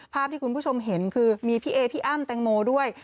ภาพที่คุณผู้ชมเห็นคือมีพี่เอพี่อ้ำแตงโมด้วย